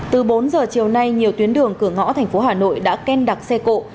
từ bốn giờ chiều nay nhiều tuyến đường cửa ngõ thành phố hà nội đã ken đặc xe cộ